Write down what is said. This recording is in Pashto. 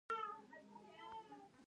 د پاولو کویلیو ژوند او شخصیت: